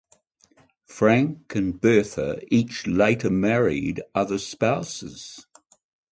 Frank and Bertha each later married other spouses.